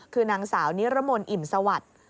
คือนางสาวนิรมนต์อิ่มสวัสดิ์